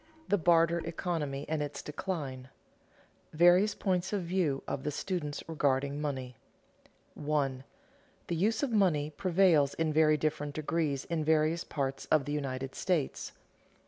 THE BARTER ECONOMY AND ITS DECLINE [Sidenote: Various points of view of the students regarding money] 1. _The use of money prevails in very different degrees in various parts of the United States.